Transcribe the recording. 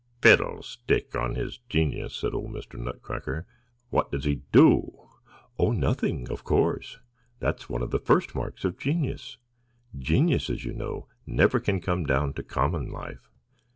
"Fiddlestick on his genius!" said old Mr. Nutcracker; "what does he do?" "Oh, nothing, of course; that's one of the first marks of genius. Geniuses, you know, never can come down to common life."